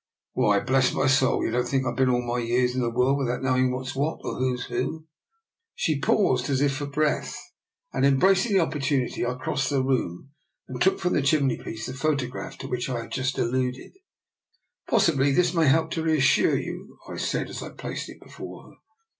Why, bless my soul, you don't think I've been all my years in the world without knowing what's what, or who's who? " She paused as if for breath; and, embrac ing the opportunity, I crossed the room and took from the chimneypiece the photograph to which I have just alluded. " Possibly this may help to reassure you," I said, as I placed it before her.